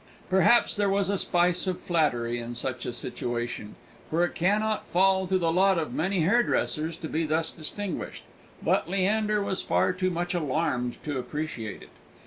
Perhaps there was a spice of flattery in such a situation for it cannot fall to the lot of many hairdressers to be thus distinguished but Leander was far too much alarmed to appreciate it.